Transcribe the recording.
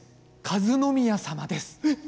和宮さまです。え！